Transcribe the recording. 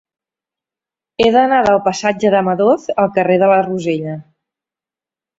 He d'anar del passatge de Madoz al carrer de la Rosella.